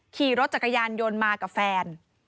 ขี่รถจักรยานยนต์มากับแฟน